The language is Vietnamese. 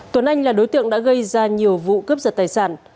tuấn anh là đối tượng đã gây ra nhiều vụ cướp giật tài sản